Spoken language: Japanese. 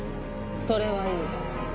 それはいい。